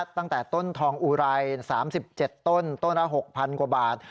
ตั้งแต่ต้นทองอุไร๓๗ต้นต้นละ๖๐๐กว่าบาท